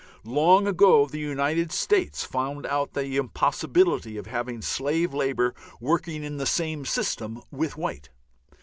Long ago the United States found out the impossibility of having slave labour working in the same system with white.